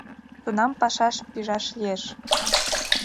Тунам пашаш пижаш лиеш.